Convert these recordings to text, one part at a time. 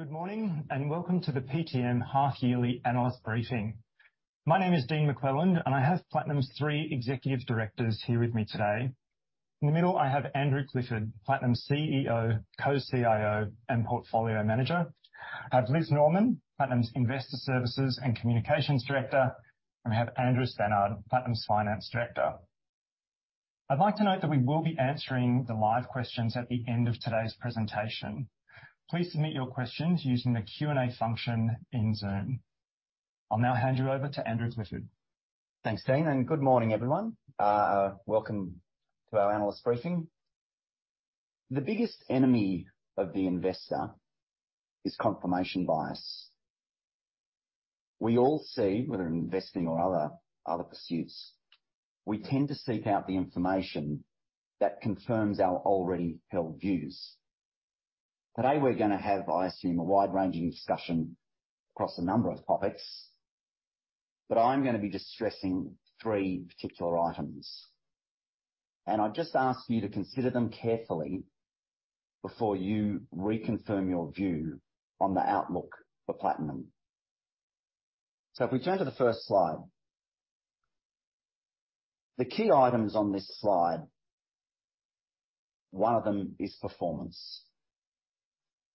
Good morning, welcome to the PTM half yearly analyst briefing. My name is Dean McLelland, I have Platinum's 3 executive directors here with me today. In the middle, I have Andrew Clifford, Platinum's CEO, Co-CIO, and Portfolio Manager. I have Liz Norman, Platinum's Investor Services and Communications Director. We have Andrew Stannard, Platinum's Finance Director. I'd like to note that we will be answering the live questions at the end of today's presentation. Please submit your questions using the Q&A function in Zoom. I'll now hand you over to Andrew Clifford. Thanks, Dean, and good morning, everyone. Welcome to our analyst briefing. The biggest enemy of the investor is confirmation bias. We all see, whether in investing or other pursuits, we tend to seek out the information that confirms our already held views. Today, we're gonna have, I assume, a wide-ranging discussion across a number of topics, but I'm gonna be just stressing 3 particular items. I just ask you to consider them carefully before you reconfirm your view on the outlook for Platinum. If we turn to the 1st slide. The key items on this slide, 1 of them is performance.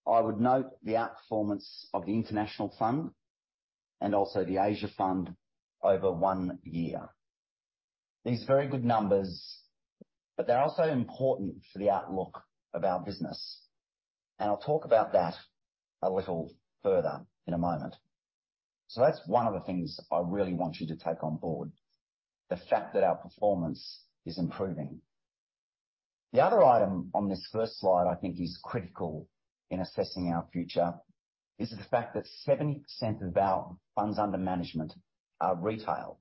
I would note the outperformance of the International Fund and also the Asia Fund over 1 year. These are very good numbers, but they're also important for the outlook of our business, and I'll talk about that a little further in a moment. That's 1 of the things I really want you to take on board, the fact that our performance is improving. The other item on this 1st slide I think is critical in assessing our future is the fact that 70% of our funds under management are retail.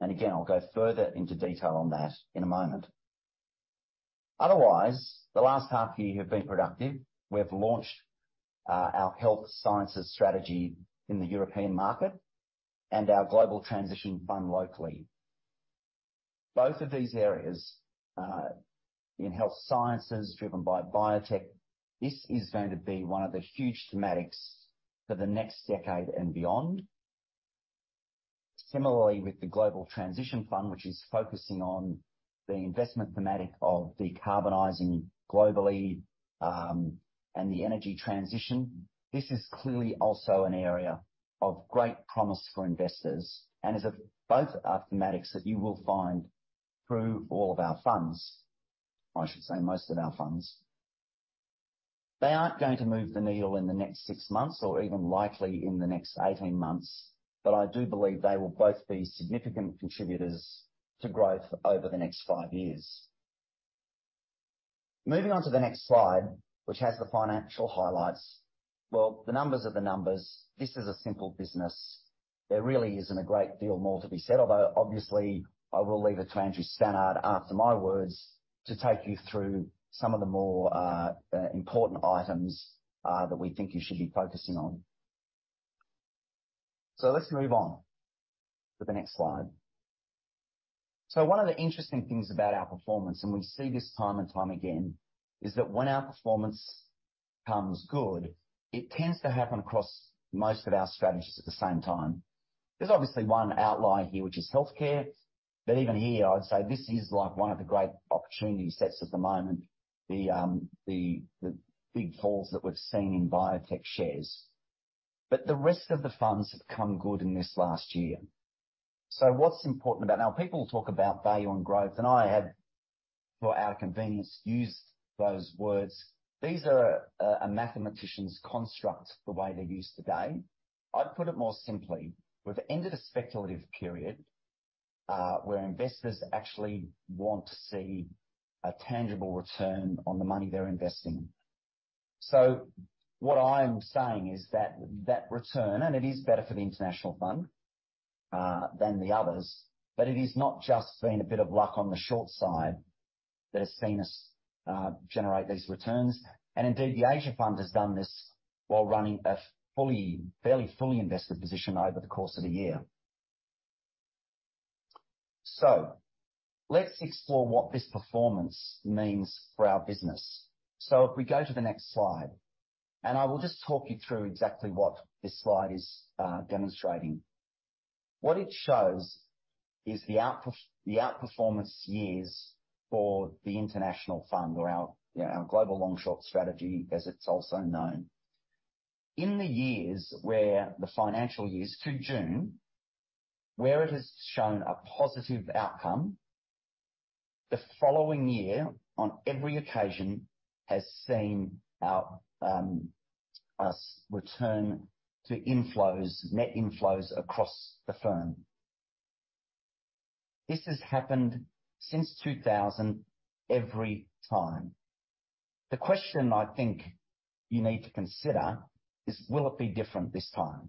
Again, I'll go further into detail on that in a moment. The last half year have been productive. We have launched our health sciences strategy in the European market and our Global Transition Fund locally. Both of these areas, in health sciences, driven by biotech, this is going to be 1 of the huge thematics for the next decade and beyond. Similarly, with the Global Transition Fund, which is focusing on the investment thematic of decarbonizing globally, and the energy transition, this is clearly also an area of great promise for investors and both are thematics that you will find through all of our funds, or I should say, most of our funds. They aren't going to move the needle in the next 6 months or even likely in the next 18 months, I do believe they will both be significant contributors to growth over the next 5 years. Moving on to the next slide, which has the financial highlights. Well, the numbers are the numbers. This is a simple business. There really isn't a great deal more to be said. Although obviously, I will leave it to Andrew Stannard after my words to take you through some of the more important items that we think you should be focusing on. Let's move on to the next slide. 1 of the interesting things about our performance, and we see this time and time again, is that when our performance becomes good, it tends to happen across most of our strategies at the same time. There's obviously 1 outlier here, which is healthcare, but even here, I'd say this is like 1 of the great opportunity sets at the moment, the big falls that we've seen in biotech shares. The rest of the funds have come good in this last year. What's important about, now, people talk about value and growth, and I have, for our convenience, used those words. These are a mathematician's construct, the way they're used today. I'd put it more simply. We've ended a speculative period, where investors actually want to see a tangible return on the money they're investing. What I'm saying is that that return, and it is better for the International Fund than the others, but it is not just been a bit of luck on the short side that has seen us generate these returns. Indeed, the Asia Fund has done this while running a fairly fully invested position over the course of the year. Let's explore what this performance means for our business. If we go to the next slide, and I will just talk you through exactly what this slide is demonstrating. What it shows is the outperformance years for the International Fund or our Global Long Short strategy, as it's also known. In the years where the financial years to June, where it has shown a positive outcome, the following year, on every occasion, has seen our us return to inflows, net inflows across the firm. This has happened since 2000 every time. The question I think you need to consider is: Will it be different this time?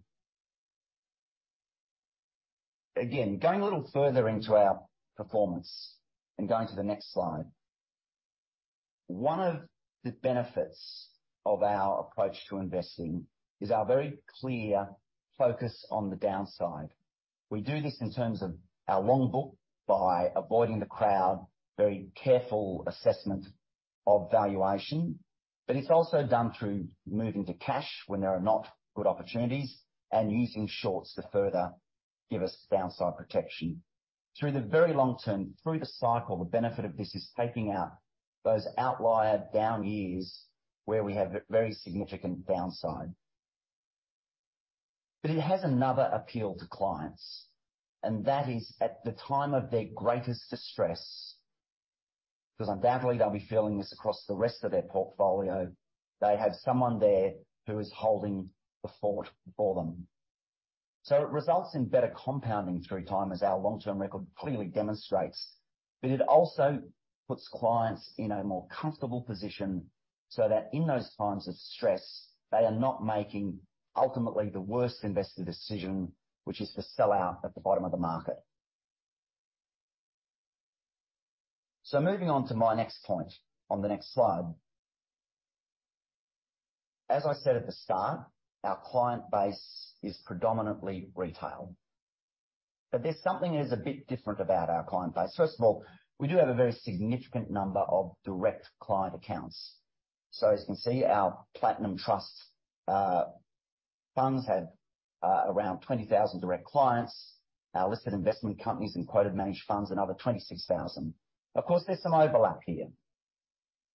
Going a little further into our performance and going to the next slide. 1 of the benefits of our approach to investing is our very clear focus on the downside. We do this in terms of our long book by avoiding the crowd, very careful assessment of valuation, but it's also done through moving to cash when there are not good opportunities and using shorts to further give us downside protection. Through the very long term, through the cycle, the benefit of this is taking out those outlier down years where we have very significant downside. It has another appeal to clients, and that is at the time of their greatest distress, because undoubtedly they'll be feeling this across the rest of their portfolio, they have someone there who is holding the fort for them. It results in better compounding through time, as our long-term record clearly demonstrates, but it also puts clients in a more comfortable position so that in those times of stress, they are not making ultimately the worst investor decision, which is to sell out at the bottom of the market. Moving on to my next point on the next slide. I said at the start, our client base is predominantly retail, but there's something that is a bit different about our client base. First of all, we do have a very significant number of direct client accounts. As you can see, our Platinum Trusts funds have around 20,000 direct clients. Our listed investment companies and quoted managed funds, another 26,000. Of course, there's some overlap here,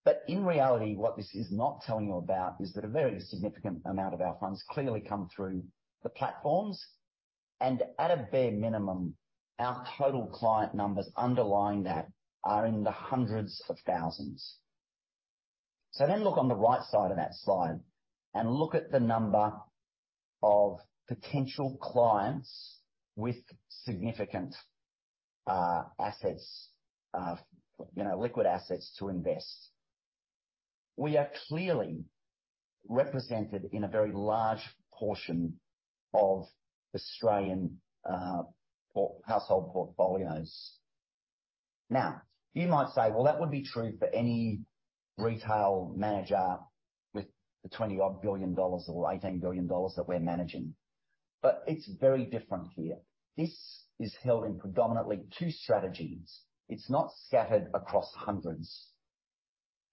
but in reality, what this is not telling you about is that a very significant amount of our funds clearly come through the platforms, and at a bare minimum, our total client numbers underlying that are in the hundreds of thousands. Look on the right side of that slide and look at the number of potential clients with significant assets, you know, liquid assets to invest. We are clearly represented in a very large portion of Australian household portfolios. Now, you might say, "Well, that would be true for any retail manager with the 20 odd billion or 18 billion dollars that we're managing." It's very different here. This is held in predominantly 2 strategies. It's not scattered across hundreds.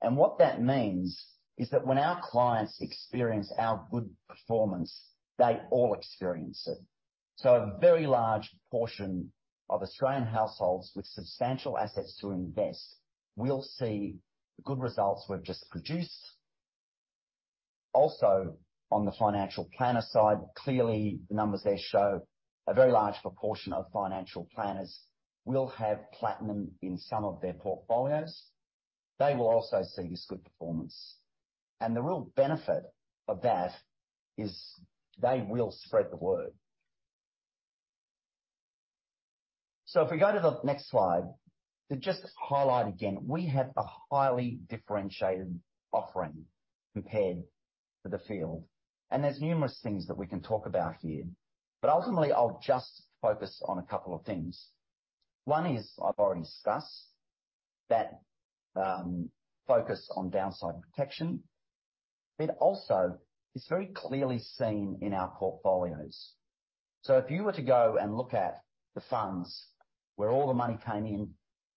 What that means is that when our clients experience our good performance, they all experience it. A very large portion of Australian households with substantial assets to invest will see the good results we've just produced. On the financial planner side, clearly the numbers there show a very large proportion of financial planners will have Platinum in some of their portfolios. They will also see this good performance. The real benefit of that is they will spread the word. If we go to the next slide, to just highlight again, we have a highly differentiated offering compared to the field, and there's numerous things that we can talk about here, but ultimately I'll just focus on a couple of things. 1 is, I've already discussed, that focus on downside protection. It also is very clearly seen in our portfolios. If you were to go and look at the funds where all the money came in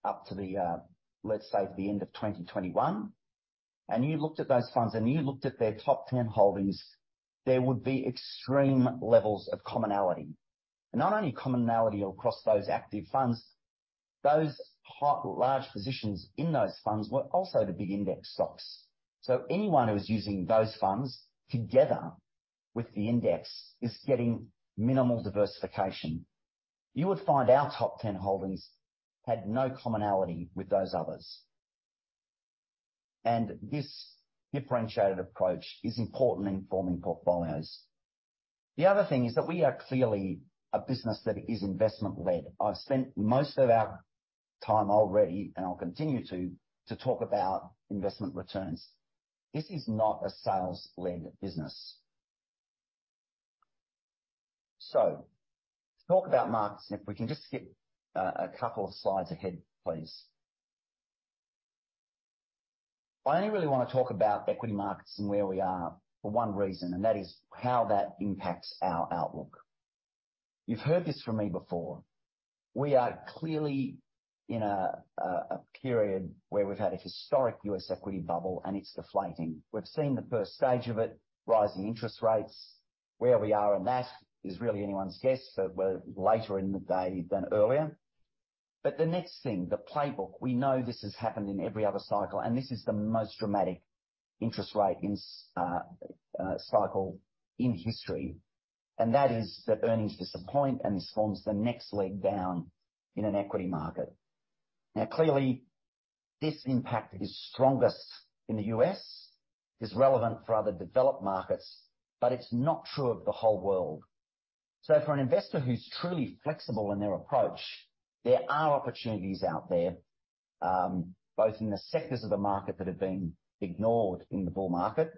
up to, let's say, the end of 2021, and you looked at those funds and you looked at their top 10 holdings, there would be extreme levels of commonality. Not only commonality across those active funds, those hot, large positions in those funds were also the big index stocks. Anyone who is using those funds together with the index is getting minimal diversification. You would find our top 10 holdings had no commonality with those others. This differentiated approach is important in forming portfolios. The other thing is that we are clearly a business that is investment led. I've spent most of our time already, and I'll continue to talk about investment returns. This is not a sales led business. To talk about markets, and if we can just skip a couple of slides ahead, please. I only really wanna talk about equity markets and where we are for 1 reason, and that is how that impacts our outlook. You've heard this from me before. We are clearly in a period where we've had a historic U.S. equity bubble and it's deflating. We've seen the 1st stage of it, rising interest rates. Where we are in that is really anyone's guess, so we're later in the day than earlier. The next thing, the playbook, we know this has happened in every other cycle, and this is the most dramatic interest rate in cycle in history, and that is that earnings disappoint and this forms the next leg down in an equity market. Clearly, this impact is strongest in the U.S., is relevant for other developed markets, but it's not true of the whole world. For an investor who's truly flexible in their approach, there are opportunities out there, both in the sectors of the market that have been ignored in the bull market,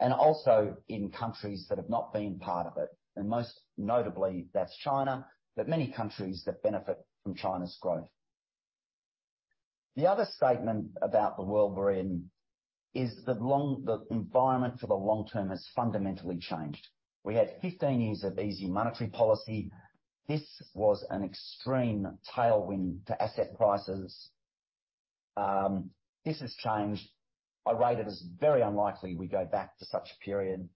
and also in countries that have not been part of it, and most notably that's China, but many countries that benefit from China's growth. The other statement about the world we're in is the environment for the long term has fundamentally changed. We had 15 years of easy monetary policy. This was an extreme tailwind to asset prices. This has changed. I rate it as very unlikely we go back to such a period.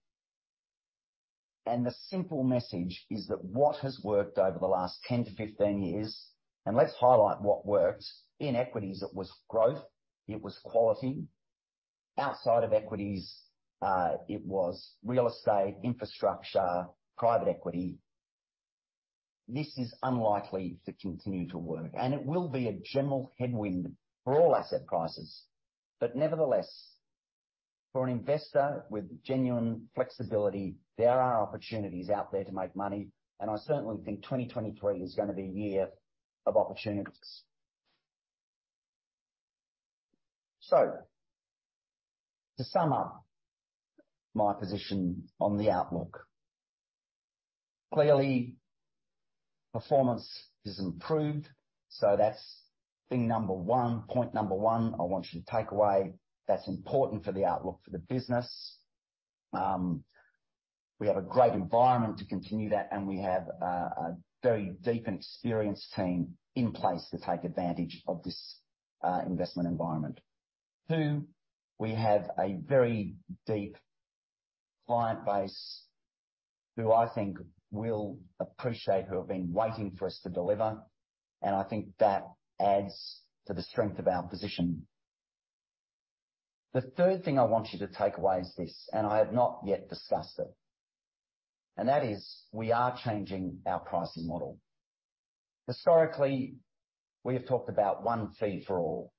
The simple message is that what has worked over the last 10-15 years, and let's highlight what works, in equities it was growth, it was quality. Outside of equities, it was real estate, infrastructure, private equity. This is unlikely to continue to work, and it will be a general headwind for all asset prices. Nevertheless, for an investor with genuine flexibility, there are opportunities out there to make money, and I certainly think 2023 is gonna be a year of opportunities. To sum up my position on the outlook, clearly performance is improved, so that's thing number 1, point number 1 I want you to take away. That's important for the outlook for the business. We have a great environment to continue that, and we have a very deep and experienced team in place to take advantage of this investment environment. 2, we have a very deep client base who I think will appreciate, who have been waiting for us to deliver, I think that adds to the strength of our position. The 3rd thing I want you to take away is this, I have not yet discussed it, that is we are changing our pricing model. Historically, we have talked about 1 fee for all,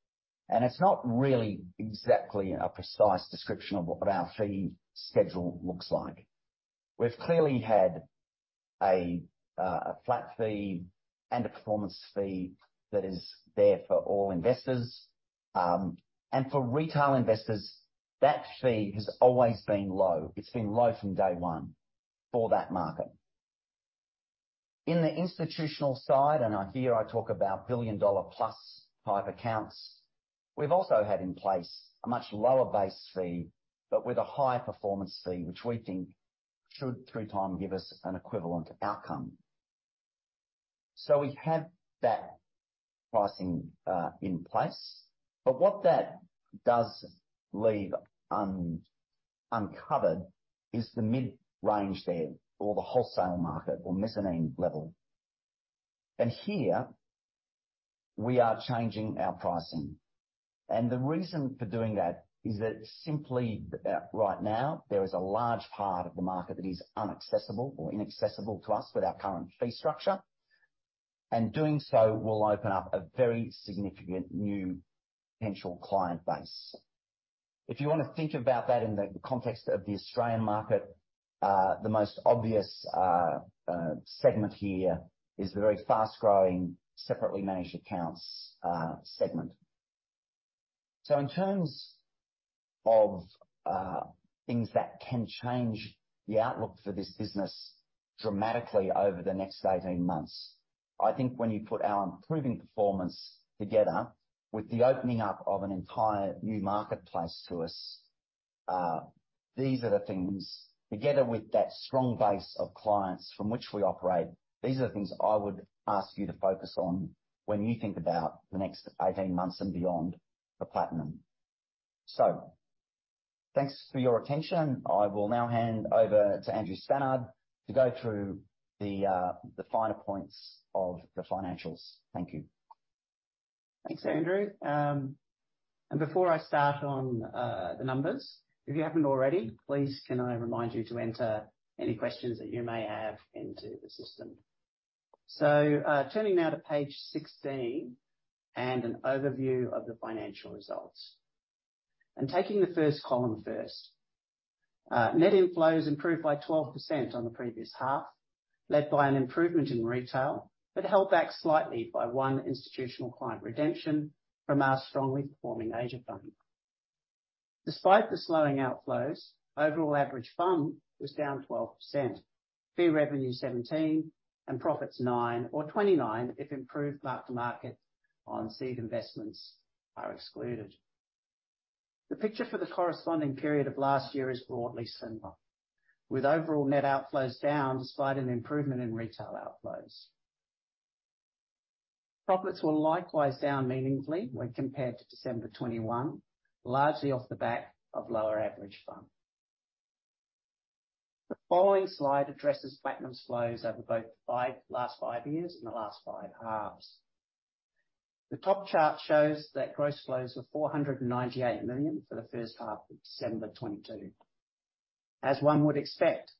and it's not really exactly a precise description of what our fee schedule looks like. We've clearly had a flat fee and a performance fee that is there for all investors. For retail investors, that fee has always been low. It's been low from day 1 for that market. In the institutional side, here I talk about $1 billion+ type accounts, we've also had in place a much lower base fee, but with a higher performance fee, which we think should through time give us an equivalent outcome. We have that pricing in place, but what that does leave uncovered is the mid-range there or the wholesale market or mezzanine level. Here we are changing our pricing. The reason for doing that is that simply, right now there is a large part of the market that is inaccessible to us with our current fee structure. Doing so will open up a very significant new potential client base. If you wanna think about that in the context of the Australian market, the most obvious segment here is the very fast-growing, separately managed accounts, segment. In terms of things that can change the outlook for this business dramatically over the next 18 months, I think when you put our improving performance together with the opening up of an entire new marketplace to us, these are the things, together with that strong base of clients from which we operate, these are the things I would ask you to focus on when you think about the next 18 months and beyond for Platinum. Thanks for your attention. I will now hand over to Andrew Stannard to go through the finer points of the financials. Thank you. Thanks, Andrew. Before I start on the numbers, if you haven't already, please can I remind you to enter any questions that you may have into the system. Turning now to page 16 and an overview of the financial results. Taking the 1st column first, net inflows improved by 12% on the previous half, led by an improvement in retail, but held back slightly by 1 institutional client redemption from our strongly performing Asia Fund. Despite the slowing outflows, overall average FUM was down 12%, fee revenue 17%, and profits 9% or 29% if improved mark to market on seed investments are excluded. The picture for the corresponding period of last year is broadly similar, with overall net outflows down despite an improvement in retail outflows. Profits were likewise down meaningfully when compared to December 2021, largely off the back of lower average FUM. The following slide addresses Platinum's flows over both last 5 years and the last 5 halves. The top chart shows that gross flows were AUD $498 million for the H1 of December 2022. As 1 would expect,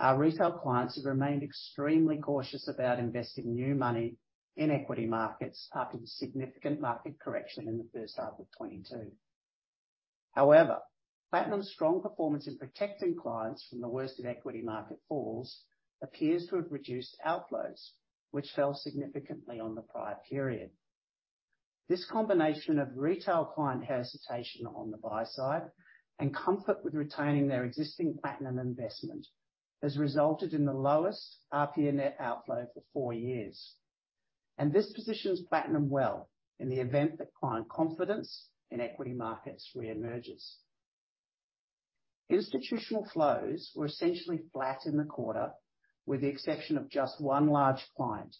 our retail clients have remained extremely cautious about investing new money in equity markets after the significant market correction in the H1 of 2022. Platinum's strong performance in protecting clients from the worst of equity market falls appears to have reduced outflows, which fell significantly on the prior period. This combination of retail client hesitation on the buy side and comfort with retaining their existing Platinum investment has resulted in the lowest RPA net outflow for 4 years. This positions Platinum well in the event that client confidence in equity markets re-emerges. Institutional flows were essentially flat in the quarter, with the exception of just 1 large client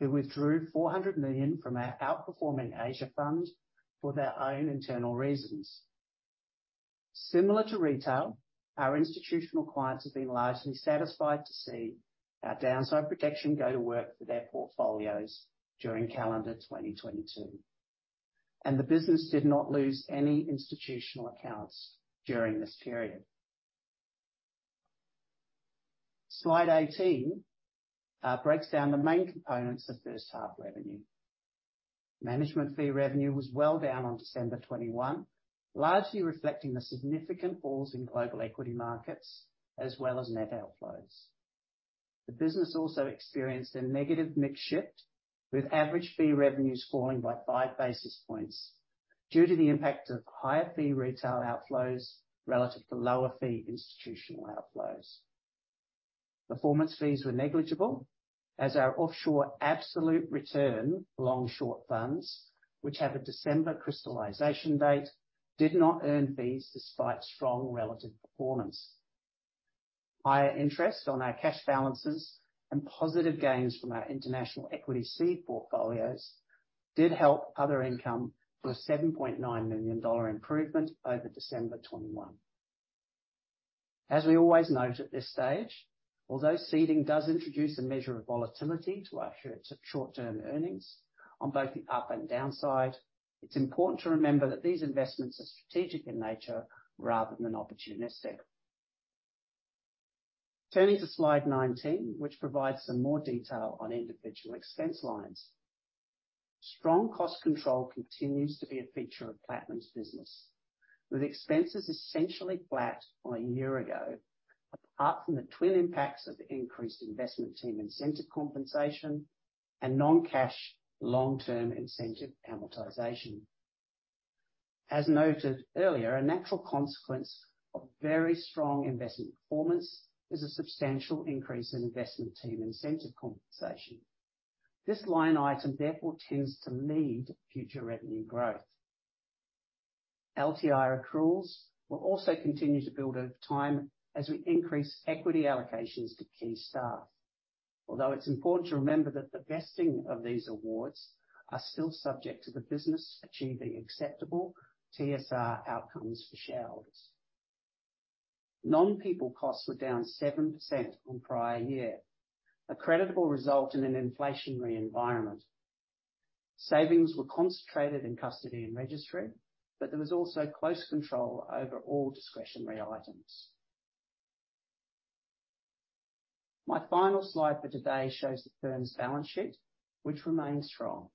who withdrew 400 million from our outperforming Asia Fund for their own internal reasons. Similar to retail, our institutional clients have been largely satisfied to see our downside protection go to work for their portfolios during calendar 2022, and the business did not lose any institutional accounts during this period. Slide 18 breaks down the main components of H1 revenue. Management fee revenue was well down on December 21, largely reflecting the significant falls in global equity markets as well as net outflows. The business also experienced a negative mix shift, with average fee revenues falling by 5 basis points due to the impact of higher fee retail outflows relative to lower fee institutional outflows. Performance fees were negligible as our offshore absolute return long short funds, which have a December crystallization date, did not earn fees despite strong relative performance. Higher interest on our cash balances and positive gains from our international equity seed portfolios did help other income with a 7.9 million dollar improvement over December 2021. As we always note at this stage, although seeding does introduce a measure of volatility to our short term earnings on both the up and down side, it's important to remember that these investments are strategic in nature rather than opportunistic. Turning to slide 19, which provides some more detail on individual expense lines. Strong cost control continues to be a feature of Platinum's business, with expenses essentially flat on a year ago, apart from the twin impacts of increased investment team incentive compensation and non-cash long-term incentive amortization. As noted earlier, a natural consequence of very strong investment performance is a substantial increase in investment team incentive compensation. This line item therefore tends to lead future revenue growth. LTI accruals will also continue to build over time as we increase equity allocations to key staff. It's important to remember that the vesting of these awards are still subject to the business achieving acceptable TSR outcomes for shareholders. Non-people costs were down 7% on prior year, a creditable result in an inflationary environment. Savings were concentrated in custody and registry, there was also close control over all discretionary items. My final slide for today shows the firm's balance sheet, which remains strong.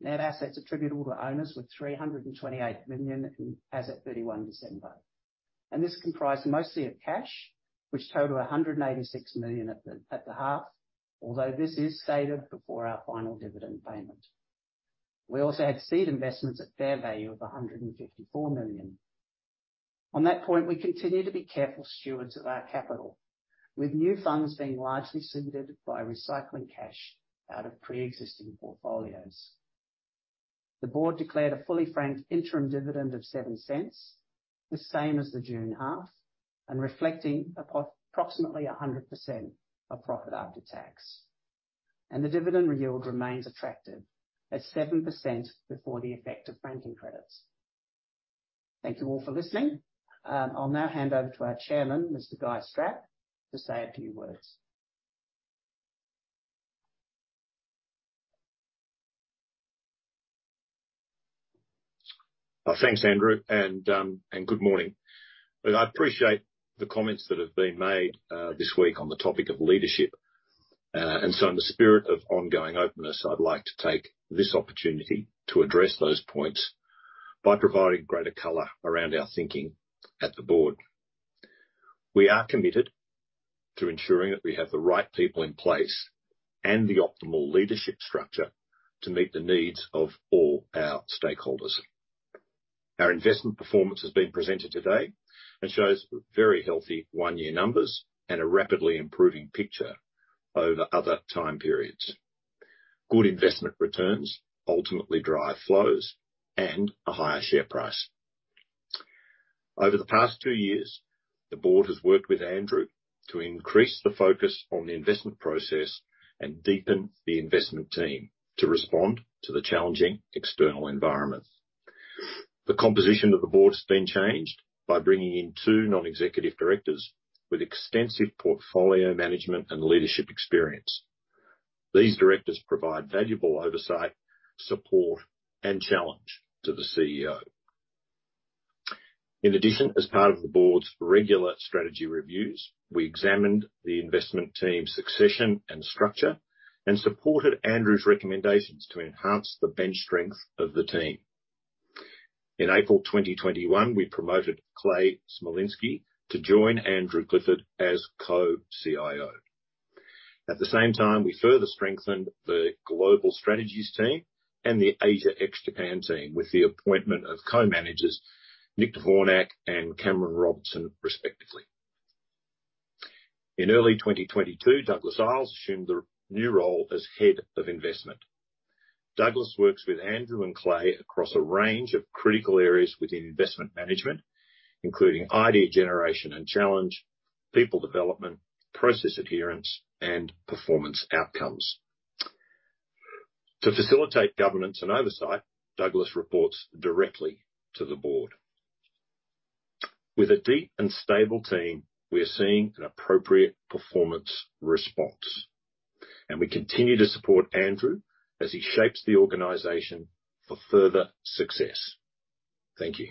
Net assets attributable to owners were 328 million as at 31 December. This comprised mostly of cash, which totaled 186 million at the half, although this is stated before our final dividend payment. We also had seed investments at fair value of 154 million. On that point, we continue to be careful stewards of our capital, with new funds being largely seeded by recycling cash out of pre-existing portfolios. The board declared a fully franked interim dividend of 0.07, the same as the June half, reflecting upon approximately 100% of profit after tax. The dividend yield remains attractive at 7% before the effect of franking credits. Thank you all for listening. I'll now hand over to our Chairman, Mr. Guy Strapp, to say a few words. Thanks, Andrew, and good morning. Well, I appreciate the comments that have been made this week on the topic of leadership. In the spirit of ongoing openness, I'd like to take this opportunity to address those points by providing greater color around our thinking at the board. We are committed to ensuring that we have the right people in place and the optimal leadership structure to meet the needs of all our stakeholders. Our investment performance has been presented today and shows very healthy 1-year numbers and a rapidly improving picture over other time periods. Good investment returns ultimately drive flows and a higher share price. Over the past 2 years, the board has worked with Andrew to increase the focus on the investment process and deepen the investment team to respond to the challenging external environment. The composition of the board has been changed by bringing in 2 non-executive directors with extensive portfolio management and leadership experience. These directors provide valuable oversight, support, and challenge to the CEO. As part of the board's regular strategy reviews, we examined the investment team's succession and structure and supported Andrew's recommendations to enhance the bench strength of the team. April 2021, we promoted Clay Smolinski to join Andrew Clifford as Co-CIO. At the same time, we further strengthened the global strategies team and the Asia ex-Japan team with the appointment of co-managers Nikola Dvornak and Cameron Robertson, respectively. early 2022, Douglas Isles assumed the new role as Head of Investment. Douglas works with Andrew and Clay across a range of critical areas within investment management, including idea generation and challenge, people development, process adherence, and performance outcomes. To facilitate governance and oversight, Douglas reports directly to the Board. We continue to support Andrew as he shapes the organization for further success. Thank you.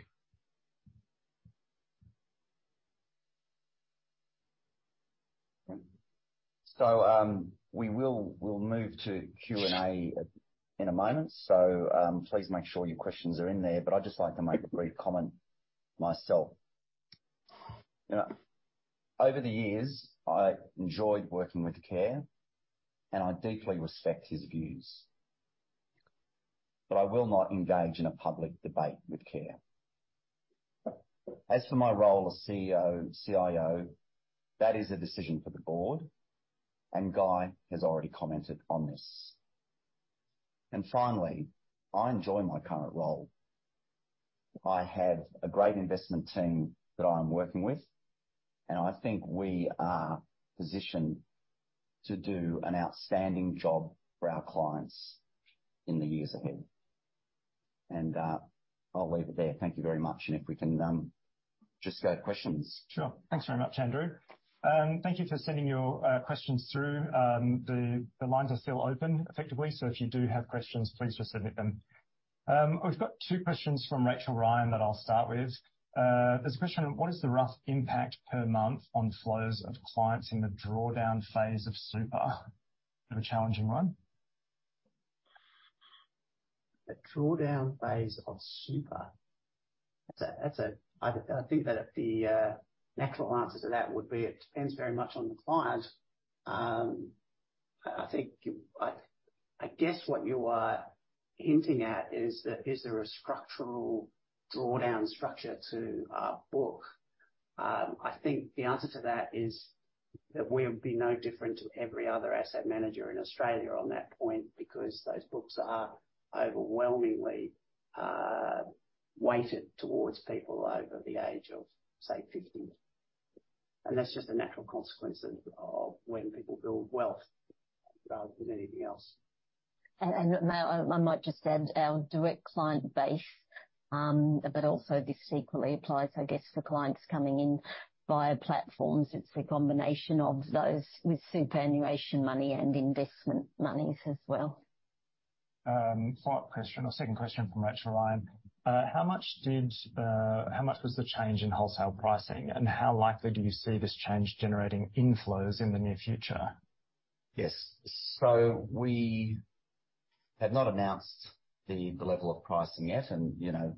We will move to Q&A in a moment. Please make sure your questions are in there. I'd just like to make a brief comment myself. You know, over the years, I enjoyed working with Kerr, and I deeply respect his views. I will not engage in a public debate with Kerr. As for my role as CEO and CIO, that is a decision for the board, and Guy has already commented on this. Finally, I enjoy my current role. I have a great investment team that I'm working with, and I think we are positioned to do an outstanding job for our clients in the years ahead. I'll leave it there. Thank you very much. If we can just go to questions. Sure. Thanks very much, Andrew. Thank you for sending your questions through. The lines are still open effectively, if you do have questions, please just submit them. We've got 2 questions from Rachel Ryan that I'll start with. There's a question of what is the rough impact per month on flows of clients in the drawdown phase of super have a challenging run? The drawdown phase of super. That's a - I think that the natural answer to that would be it depends very much on the client. I think, I guess what you are hinting at is there a structural drawdown structure to our book? I think the answer to that is that we'll be no different to every other asset manager in Australia on that point, because those books are overwhelmingly weighted towards people over the age of, say, 50. That's just a natural consequence of when people build wealth rather than anything else. May I might just add our direct client base, but also this equally applies, I guess, for clients coming in via platforms. It's a combination of those with superannuation money and investment monies as well. Final question or 2nd question from Rachel Ryan. How much was the change in wholesale pricing? How likely do you see this change generating inflows in the near future? Yes. We have not announced the level of pricing yet and, you know,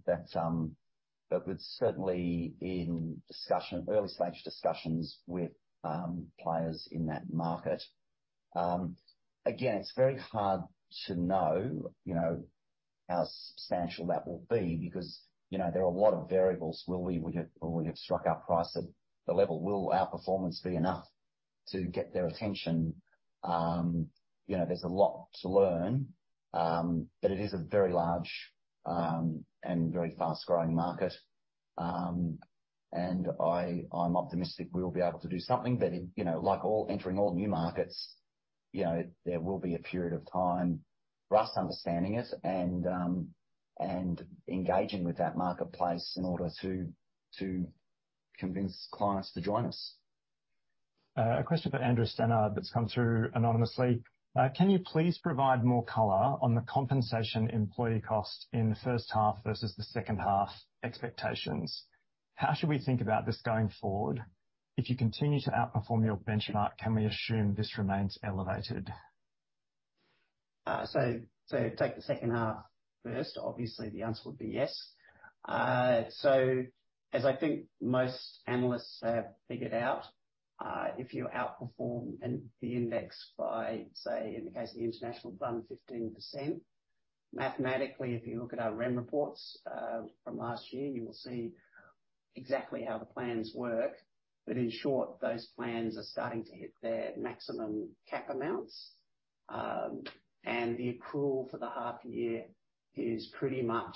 we're certainly in discussion, early stage discussions with players in that market. It's very hard to know, you know, how substantial that will be because, you know, there are a lot of variables. Will we have struck our price at the level? Will our performance be enough to get their attention? You know, there's a lot to learn, it is a very large and very fast-growing market. I'm optimistic we'll be able to do something. It, you know, like all entering all new markets, you know, there will be a period of time for us understanding it and engaging with that marketplace in order to convince clients to join us. A question for Andrew Stannard that's come through anonymously. Can you please provide more color on the compensation employee costs in the H1 versus the H2 expectations? How should we think about this going forward? If you continue to outperform your benchmark, can we assume this remains elevated? Take the H2 first. Obviously, the answer would be yes. As I think most analysts have figured out, if you outperform the index by, say, in the case of the International Fund, 15%, mathematically, if you look at our REM reports from last year, you will see exactly how the plans work. In short, those plans are starting to hit their maximum cap amounts. The accrual for the half year is pretty much,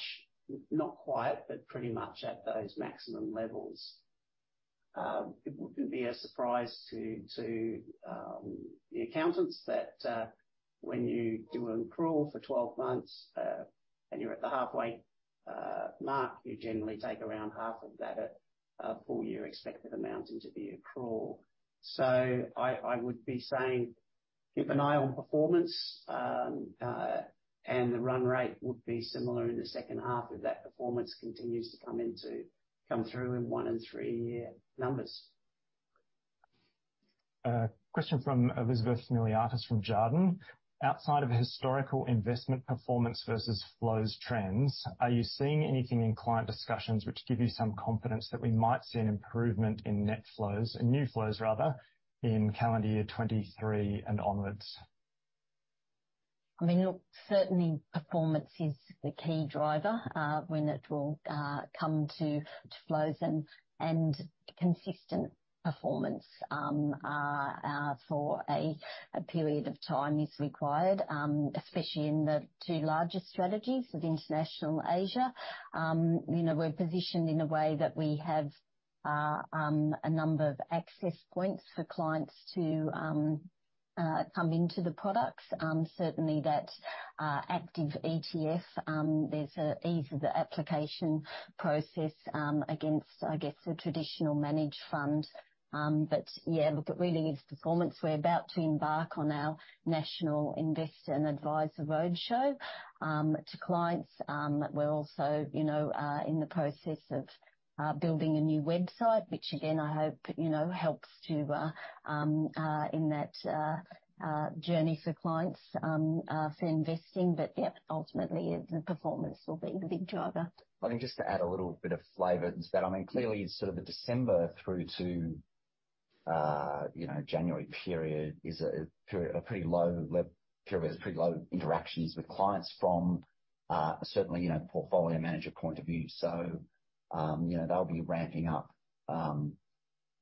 not quite, but pretty much at those maximum levels. It wouldn't be a surprise to the accountants that when you do an accrual for 12 months, and you're at the halfway mark, you generally take around half of that at a full year expected amount into the accrual. I would be saying keep an eye on performance, and the run rate would be similar in the H2 if that performance continues to come through in 1 and 3 year numbers. A question from Elizabeth Miliatis from Jarden. Outside of historical investment performance versus flows trends, are you seeing anything in client discussions which give you some confidence that we might see an improvement in net flows, in new flows rather, in calendar year 23 and onwards? I mean, look, certainly performance is the key driver, when it will come to flows and consistent performance for a period of time is required, especially in the 2 largest strategies of International Asia. You know, we're positioned in a way that we have a number of access points for clients to come into the products. Certainly that Active ETF, there's an ease of the application process against, I guess, the traditional managed fund. Look, it really is performance. We're about to embark on our national investor and advisor roadshow to clients. We're also, you know, in the process of building a new website, which again I hope, you know, helps to in that journey for clients for investing. Ultimately the performance will be the big driver. I think just to add a little bit of flavor to that, I mean, clearly sort of the December through to, you know, January period is a pretty low period with pretty low interactions with clients from, certainly, you know, portfolio manager point of view. you know, they'll be ramping up,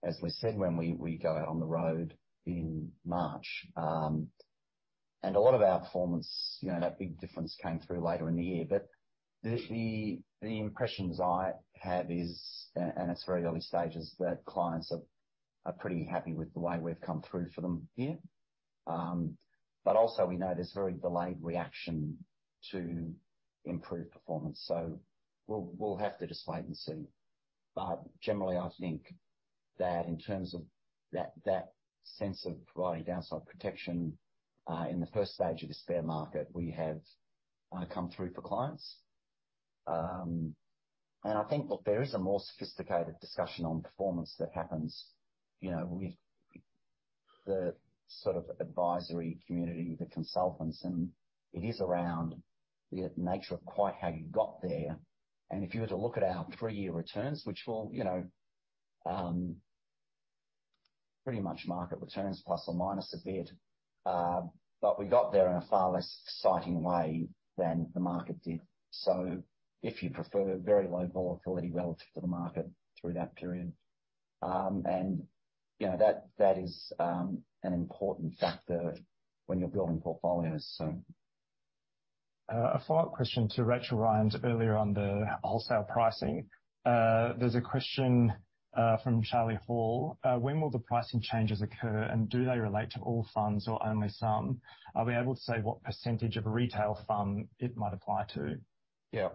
as we said, when we go on the road in March. A lot of our performance, you know, that big difference came through later in the year. The impressions I have is, and it's very early stages, that clients are pretty happy with the way we've come through for them here. Also we know there's very delayed reaction to improved performance, so we'll have to just wait and see. Generally, I think that in terms of that sense of providing downside protection, in the 1st stage of this bear market, we have come through for clients. I think, look, there is a more sophisticated discussion on performance that happens, you know, with the sort of advisory community, the consultants, and it is around the nature of quite how you got there. If you were to look at our 3-year returns, which were, you know, pretty much market returns + or - a bit, we got there in a far less exciting way than the market did. If you prefer very low volatility relative to the market through that period, and you know, that is an important factor when you're building portfolios. A follow-up question to Rachel Ryan earlier on the wholesale pricing. There's a question from Charlie Hall. When will the pricing changes occur, and do they relate to all funds or only some? Are we able to say what % of a retail fund it might apply to? The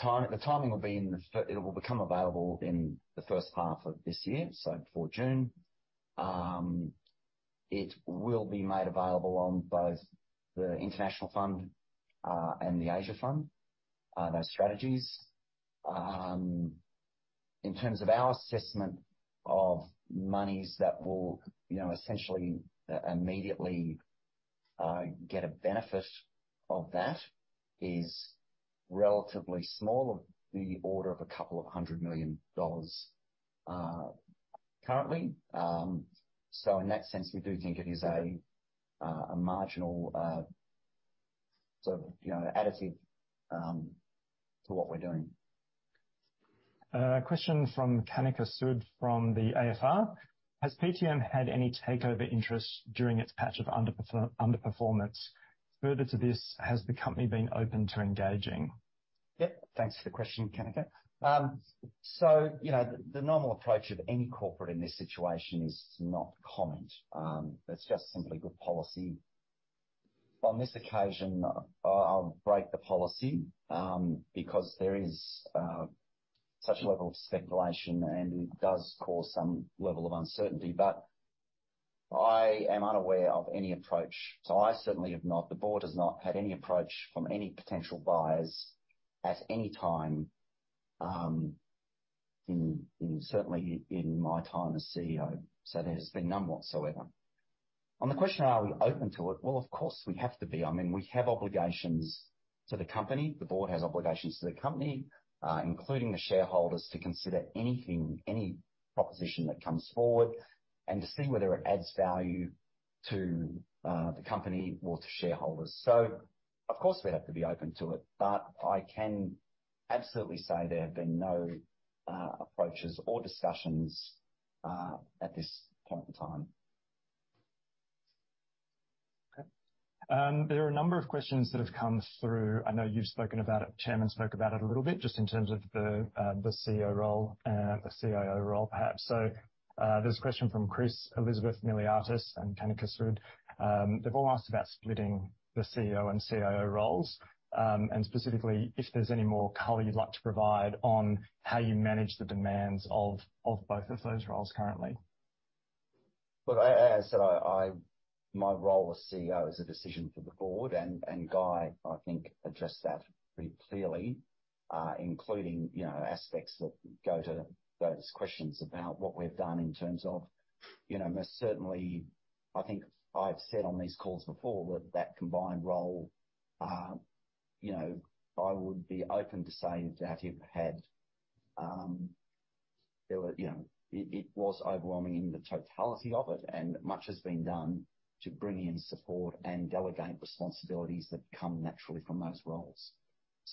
timing will be in the H1 of this year, so before June. It will be made available on both the International Fund and the Asia Fund, those strategies. In terms of our assessment of monies that will, you know, essentially, immediately get a benefit of that is relatively small, of the order of 200 million dollars currently. In that sense, we do think it is a marginal sort of, you know, additive to what we're doing. A question from Kanika Sood from the AFR. Has PTM had any takeover interest during its patch of underperformance? Further to this, has the company been open to engaging? Thanks for the question, Kanika. You know, the normal approach of any corporate in this situation is not comment. That's just simply good policy. On this occasion, I'll break the policy because there is such a level of speculation, and it does cause some level of uncertainty. I am unaware of any approach, so I certainly have not, the board has not had any approach from any potential buyers at any time, certainly in my time as CEO. There's been none whatsoever. On the question of are we open to it, well, of course we have to be. I mean, we have obligations to the company. The board has obligations to the company, including the shareholders, to consider anything, any proposition that comes forward and to see whether it adds value to the company or to shareholders. Of course, we have to be open to it. I can absolutely say there have been no approaches or discussions at this point in time. Okay. There are a number of questions that have come through. I know you've spoken about it, Chairman spoke about it a little bit just in terms of the CEO role and the CIO role, perhaps. There's a question from Chris, Elizabeth Miliatis, and Kanika Sood. They've all asked about splitting the CEO and CIO roles, and specifically if there's any more color you'd like to provide on how you manage the demands of both of those roles currently. As I said, my role as CEO is a decision for the board, and Guy, I think addressed that pretty clearly, including, you know, aspects that go to those questions about what we've done in terms of, you know, most certainly, I think I've said on these calls before that combined role, you know, I would be open to saying that it had, you know, it was overwhelming in the totality of it, and much has been done to bring in support and delegate responsibilities that come naturally from those roles.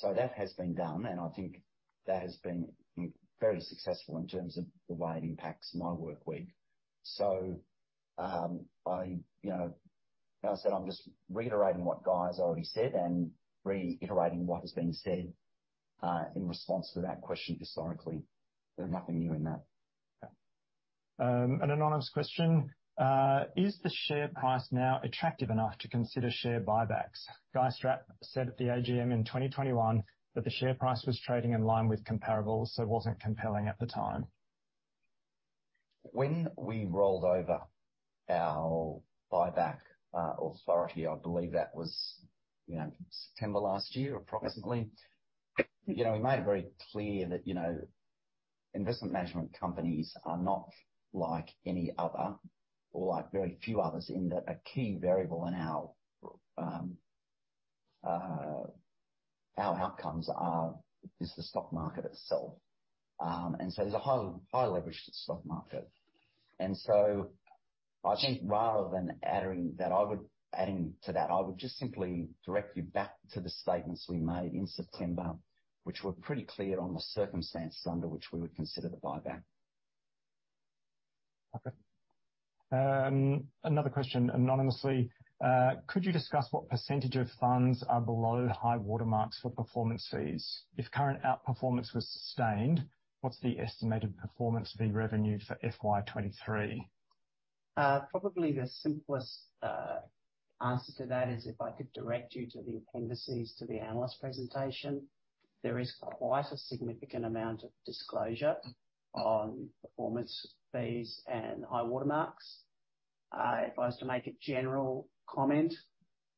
That has been done, and I think that has been very successful in terms of the way it impacts my work week. I, you know, as I said, I'm just reiterating what Guy has already said and reiterating what has been said in response to that question historically. There's nothing new in that. An anonymous question. Is the share price now attractive enough to consider share buybacks? Guy Strapp said at the AGM in 2021 that the share price was trading in line with comparables, so it wasn't compelling at the time. When we rolled over our buyback authority, I believe that was, you know, September last year approximately. We made it very clear that, you know, investment management companies are not like any other or like very few others in that a key variable in our outcomes are, is the stock market itself. There's a high leverage to the stock market. I think rather than adding to that, I would just simply direct you back to the statements we made in September, which were pretty clear on the circumstances under which we would consider the buyback. Another question anonymously. Could you discuss what percentage of funds are below high-water marks for performance fees? If current outperformance was sustained, what's the estimated performance fee revenue for FY23? Probably the simplest answer to that is if I could direct you to the appendices to the analyst presentation. There is quite a significant amount of disclosure on performance fees and high-water marks. If I was to make a general comment,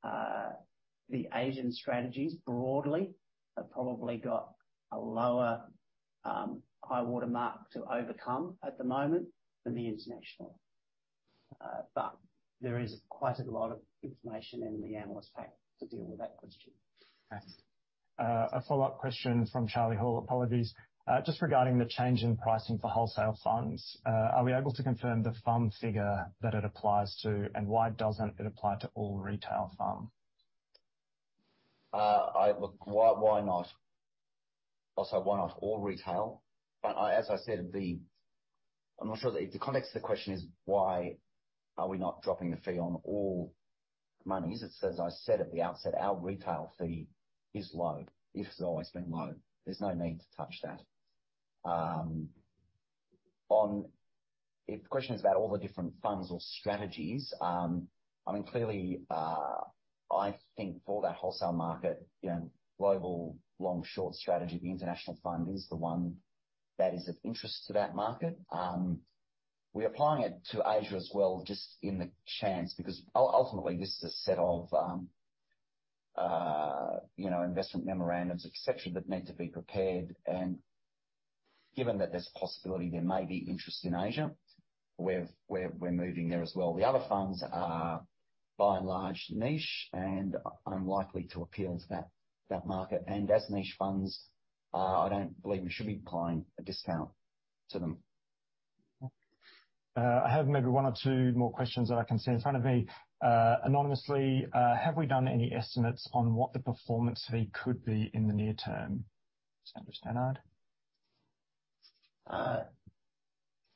the Asian strategies broadly have probably got a lower high-water mark to overcome at the moment than the International. There is quite a lot of information in the analyst pack to deal with that question. Okay. A follow-up question from Charlie Hall. Apologies. Just regarding the change in pricing for wholesale funds, are we able to confirm the fund figure that it applies to, and why doesn't it apply to all retail fund? Look, why not? Also why not all retail? As I said, I'm not sure that the context of the question is why are we not dropping the fee on all monies? It's as I said at the outset, our retail fee is low. It's always been low. There's no need to touch that. If the question is about all the different funds or strategies, I mean, clearly, I think for that wholesale market, you know, Global Long Short strategy, the International Fund is the 1 that is of interest to that market. We're applying it to Asia as well, just in the chance, because ultimately, this is a set of, you know, investment memorandums, et cetera, that need to be prepared. Given that there's a possibility there may be interest in Asia, we're moving there as well. The other funds are by and large niche and unlikely to appeal to that market. As niche funds, I don't believe we should be applying a discount to them. I have maybe 1 or 2 more questions that I can see in front of me. Anonymously, have we done any estimates on what the performance fee could be in the near term? Andrew Stannard.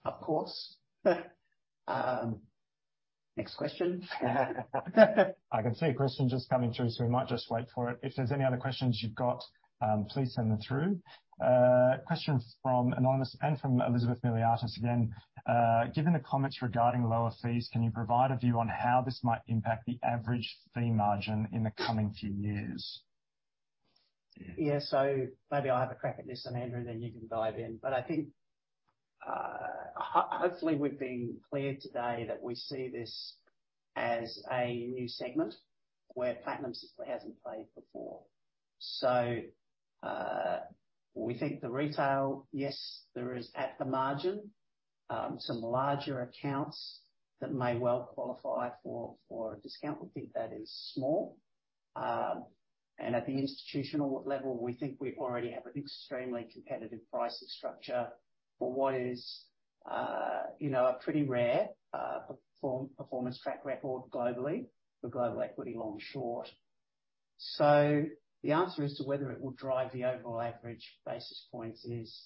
Of course. Next question. I can see a question just coming through, so we might just wait for it. If there's any other questions you've got, please send them through. Question from anonymous and from Elizabeth Miliatis again. Given the comments regarding lower fees, can you provide a view on how this might impact the average fee margin in the coming few years? Maybe I'll have a crack at this, and Andrew, then you can dive in. I think hopefully we've been clear today that we see this as a new segment where Platinum hasn't played before. We think the retail, yes, there is at the margin, some larger accounts that may well qualify for a discount. We think that is small. At the institutional level, we think we already have an extremely competitive pricing structure for what is, you know, a pretty rare performance track record globally for Global Long Short. The answer as to whether it will drive the overall average basis points is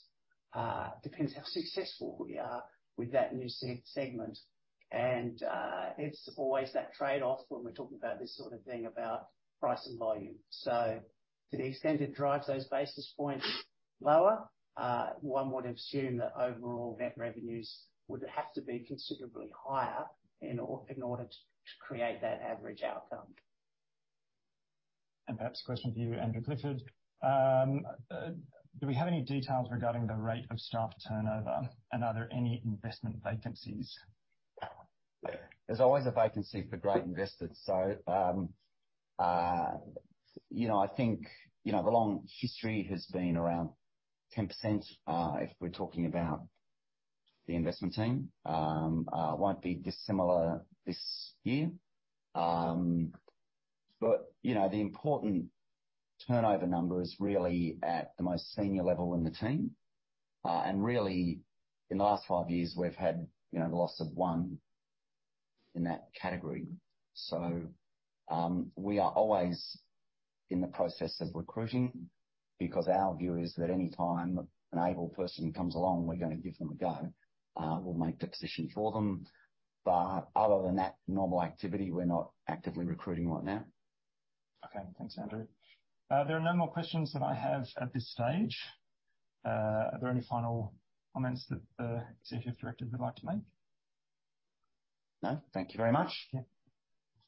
depends how successful we are with that new segment. It's always that trade-off when we're talking about this sort of thing about price and volume. To the extent it drives those basis points lower, 1 would assume that overall net revenues would have to be considerably higher in order to create that average outcome. Perhaps a question for you, Andrew Clifford. Do we have any details regarding the rate of staff turnover, and are there any investment vacancies? There's always a vacancy for great investors. You know, I think, you know, the long history has been around 10%, if we're talking about the investment team. won't be dissimilar this year. You know, the important turnover number is really at the most senior level in the team. Really in the last 5 years, we've had, you know, the loss of 1 in that category. We are always in the process of recruiting because our view is that any time an able person comes along, we're gonna give them a go. We'll make the position for them. Other than that normal activity, we're not actively recruiting right now. Okay. Thanks, Andrew. There are no more questions that I have at this stage. Are there any final comments that the Executive Director would like to make? No. Thank you very much.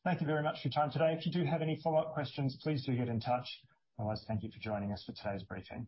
Thank you very much for your time today. If you do have any follow-up questions, please do get in touch. Otherwise, thank you for joining us for today's briefing.